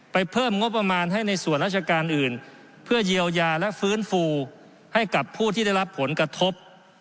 เพิ่มงบประมาณให้ในส่วนราชการอื่นเพื่อเยียวยาและฟื้นฟูให้กับผู้ที่ได้รับผลกระทบ